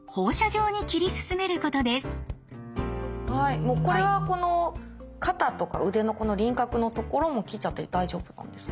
もうこれはこの肩とか腕のこの輪郭のところも切っちゃって大丈夫なんですか？